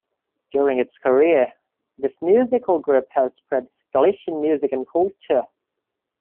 During its career, this musical group has spread Galician music and culture.